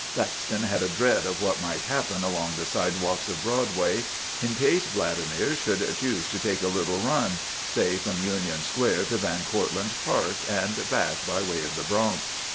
Thaxton had a dread of what might happen along the sidewalks of Broad way in case Vladimir should choose to take a little run, say from Union Square to Van Cortland Park, and back by way of the Bronx.